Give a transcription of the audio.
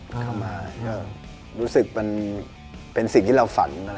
ใช่รู้สึกเป็นสิ่งที่เราฝัน